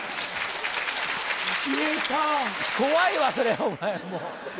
怖いわそりゃあお前もう。